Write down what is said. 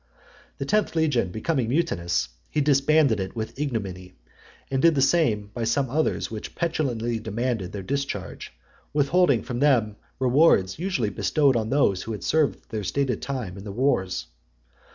The tenth legion becoming mutinous, he disbanded it with ignominy; and did the same by some others which petulantly demanded their discharge; withholding from them the rewards usually bestowed on those who had served their stated time in the wars.